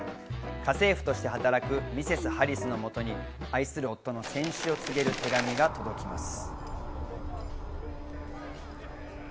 家政婦として働くミセス・ハリスの元に愛する夫の戦死を告げる手紙が届きます。